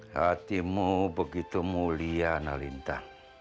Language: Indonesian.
hatimu begitu mulia annalinta